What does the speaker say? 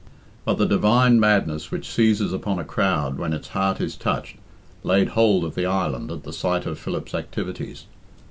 But the divine madness which seizes upon a crowd when its heart is touched laid hold of the island at the sight of Philip's activities.